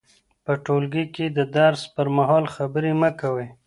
په ټولګي کې د درس پر مهال خبرې مه کوئ.